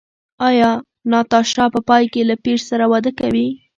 ایا ناتاشا په پای کې له پییر سره واده کوي؟